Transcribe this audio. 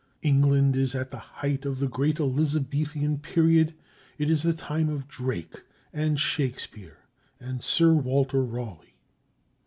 England is at the height of the great Elizabethan period. It is the time of Drake and Shakespeare and Sir Walter Raleigh.